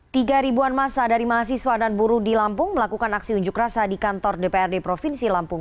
tiga ribuan masa dari mahasiswa dan buruh di lampung melakukan aksi unjuk rasa di kantor dprd provinsi lampung